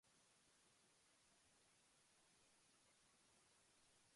Since then, he has been a member of the Chester Community School art club.